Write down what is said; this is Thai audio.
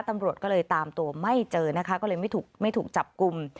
ตำรวจก็เลยตามตัวไม่เจอนะคะก็เลยไม่ถูกไม่ถูกจับกลุ่ม